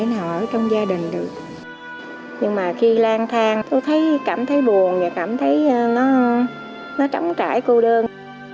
khi tôi đi lang thang tôi cảm thấy buồn và cảm thấy nó trống trải cô đơn